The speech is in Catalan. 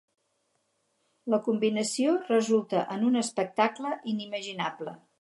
La combinació resulta en un espectacle inimaginable.